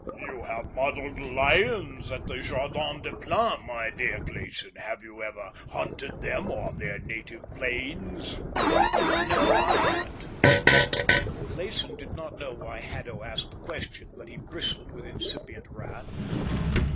"You have modelled lions at the Jardin des Plantes, my dear Clayson. Have you ever hunted them on their native plains?" "No, I haven't." Clayson did not know why Haddo asked the question, but he bristled with incipient wrath.